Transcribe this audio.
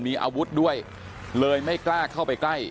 มีอาวุธด้วยเลยไม่กล้าเข้าไปใกล้